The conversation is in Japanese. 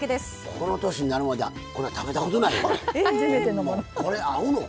この年になるまでこんなん食べたことないわ。